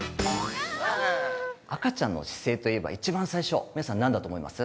赤ちゃんの姿勢といえば、一番最初、皆さん何だと思います？